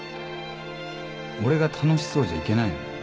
俺が楽しそうじゃいけないの？